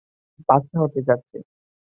বাচ্চা হতে যাচ্ছে।